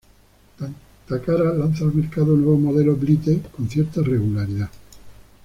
Takara lanza al mercado nuevos modelos Blythe con cierta regularidad.